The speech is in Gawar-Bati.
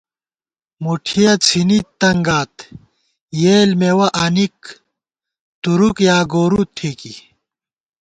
مُٹھیَہ څِھنی تنگات یېل مېوَہ آنِک تُرُک یا گورُو ٹھېکی